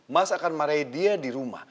mas akan marahi dia di rumah